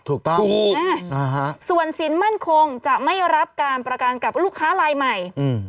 ถูกต้องอืมอ่าฮะส่วนศิลป์มั่นคงจะไม่รับการประกาศกับลูกค้าลายใหม่อืม